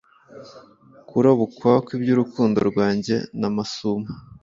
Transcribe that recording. kurabukwa iby’urukundo rwange na Masumo.